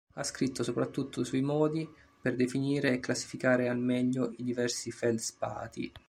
Ha scritto soprattutto sui modi per definire e classificare al meglio i diversi feldspati.